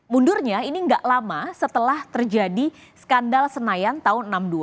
mundurnya ini gak lama setelah terjadi skandal senayan tahun enam puluh dua